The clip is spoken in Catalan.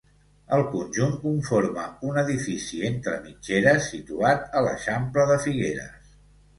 El conjunt conforma un edifici entre mitgeres situat a l'eixample de Figueres.